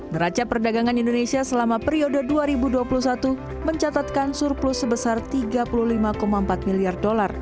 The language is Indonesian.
neraca perdagangan indonesia selama periode dua ribu dua puluh satu mencatatkan surplus sebesar rp tiga puluh lima empat miliar